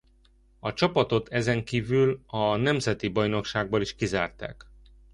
A csapatot ezenkívül a nemzeti bajnokságból is kizárták.